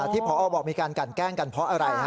ที่พอบอกมีการกันแกล้งกันเพราะอะไร